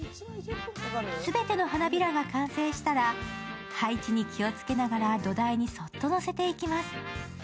全ての花びらが完成したら、配置に気をつけながら土台にそっと乗せていきます。